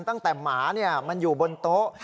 ตั้งแต่หมาเนี่ยมันอยู่บนโต๊ะ